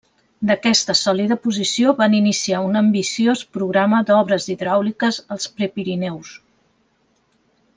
D'aquesta sòlida posició van iniciar un ambiciós programa d'obres hidràuliques als Prepirineus.